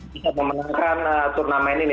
bisa memenangkan turnamen ini